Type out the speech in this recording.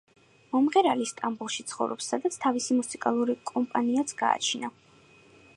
მომღერალი სტამბოლში ცხოვრობს, სადაც თავისი მუსიკალური კომპანიაც გააჩნია.